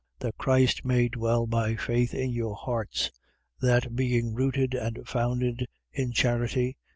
That Christ may dwell by faith in your hearts: that, being rooted and founded in charity, 3:18.